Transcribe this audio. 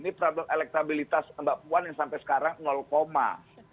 ini elektabilitas mbak puan yang sampai sekarang koma